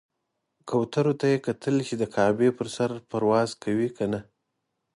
کوترو ته یې کتل چې د کعبې پر سر پرواز کوي کنه.